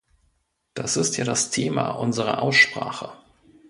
Das ist ja das Thema unserer Aussprache.